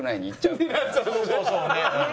そうそうそうね。